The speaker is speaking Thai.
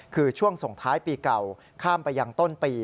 คือช่วงส่งท้ายปีเก่าข้ามไปยังต้นปี